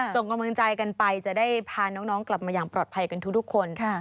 ส่งขอบคุณกันไปจะได้พาน้องน้องกลับมาอย่างปลอดภัยกันทุกทุกคน